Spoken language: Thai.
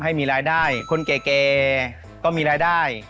ให้มีรายได้คนแก่ก็มีรายได้